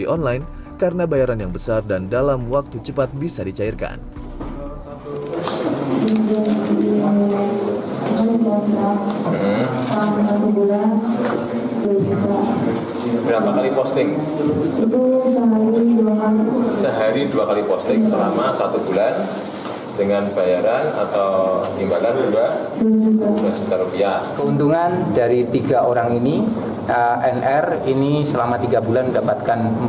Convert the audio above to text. ketiga selebgram ini juga mengaku tergiur menerima endos perusahaan